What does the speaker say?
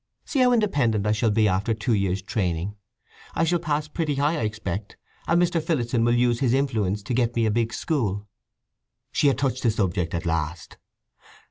See how independent I shall be after the two years' training! I shall pass pretty high, I expect, and Mr. Phillotson will use his influence to get me a big school." She had touched the subject at last.